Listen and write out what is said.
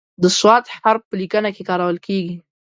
د "ص" حرف په لیکنه کې کارول کیږي.